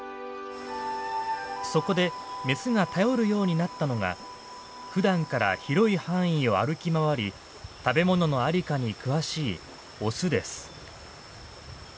そこでメスが頼るようになったのがふだんから広い範囲を歩き回り食べ物の在りかに詳しいオスです。